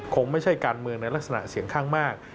คงไม่ใช่การเมืองในลักษณะเสียงข้างมาก